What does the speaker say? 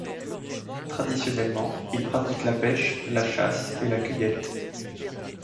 Traditionnellement, ils pratiquent la pêche, la chasse et la cueillette.